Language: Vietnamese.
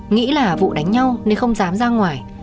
nghĩ là vụ đánh nhau nên không dám ra ngoài